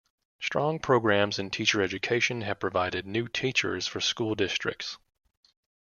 Strong programs in teacher education have provided new teachers for school districts.